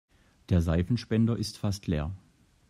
Der Seifenspender ist fast leer.